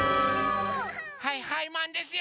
はいはいマンですよ！